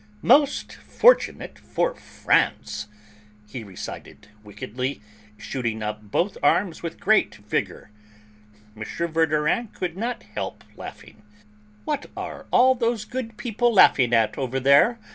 "Most fortunate for France!" he recited wickedly, shooting up both arms with great vigour. M. Verdurin could not help laughing. "What are all those good people laughing at over there?